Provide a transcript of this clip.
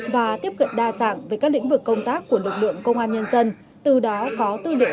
và tiếp cận đa dạng với các lĩnh vực công tác của lực lượng công an nhân dân từ đó có tư liệu